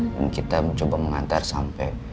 dan kita mencoba mengantar sampai